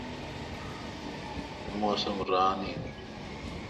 موسم ران نان۔